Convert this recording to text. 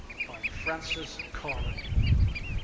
By Francis Carlin 20.